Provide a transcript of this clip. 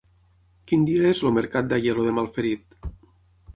Quin dia és el mercat d'Aielo de Malferit?